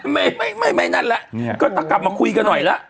นานไม่แน่นานแล้วก็ตะกับมาคุยกันหน่อยแล้ว